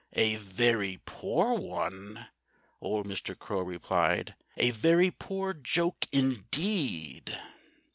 "A very poor one!" old Mr. Crow replied. "A very poor joke, indeed!...